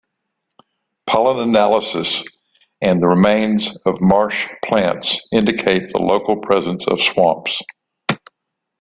Pollen analysis and the remains of marsh-plants indicates the local presence of swamps.